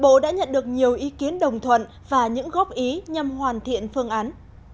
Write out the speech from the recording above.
bộ đã nhận được nhiều ý kiến đồng thuận và những góp ý nhằm hoàn thiện phương án